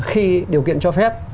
khi điều kiện cho phép